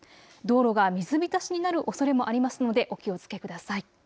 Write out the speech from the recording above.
道路が水浸しになるおそれもありますのでお気をつけください。